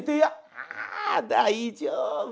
「あ大丈夫や。